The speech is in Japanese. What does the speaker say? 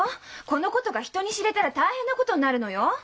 このことが人に知れたら大変なことになるのよ？